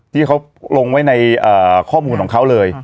ที่เขาลงไว้ในข้อมูลของเขาเลย